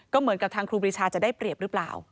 ก็เหมือนกับทางครูปรีชาจะได้เปรียบหรือเปล่า